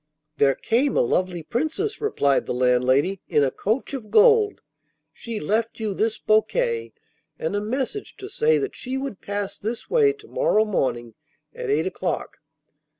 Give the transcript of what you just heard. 'There came a lovely princess,' replied the landlady, 'in a coach of gold. She left you this bouquet, and a message to say that she would pass this way to morrow morning at eight o'clock.